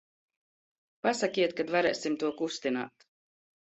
Pasakiet, kad varēsim to kustināt.